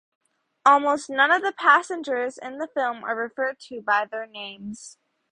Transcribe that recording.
Almost none of the passengers in the film are referred to by their names.